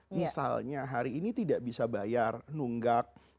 misalnya hari ini tidak bisa bayar nunggak